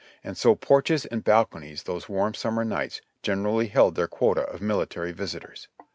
And so porches and balconies those warm summer nights gener ally held their quota of military visitors.